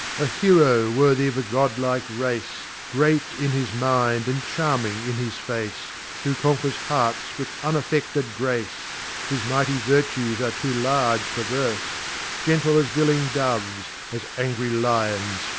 A Heroe worthy of a God likg Race, Qeat in "his Mind, and charming in his Face, Who conquers Hearts, with unaffected Grace. His mighty Vertues are too large for Verfe, Gentle as billing Doves, as angry Lions fierce: *" lV tht dthrkt hT °b n hk *"•*«.